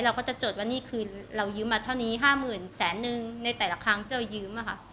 เราก็จะจดว่าหนี้คืนเรายืมมาเท่านี้๕๐๐๐แสนนึงในแต่ละครั้งที่เรายืมอะค่ะ